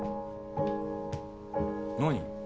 何？